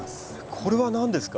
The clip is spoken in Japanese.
これは何ですか？